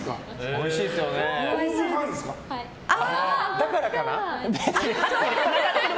だからかな。